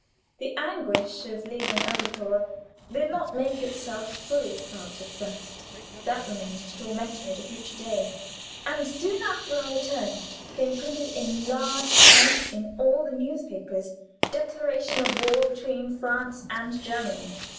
The anguish of leaving Elberthal did not make itself fully felt at first that remained to torment me at a future day. And soon after our return came printed in large type in all the newspapers, "Declaration of War between France and Germany."